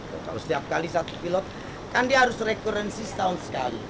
kalau setiap kali satu pilot kan dia harus rekurensi setahun sekali